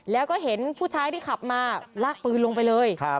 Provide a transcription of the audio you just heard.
แล้วก็เห็นผู้ชายที่ขับมาลากปืนลงไปเลย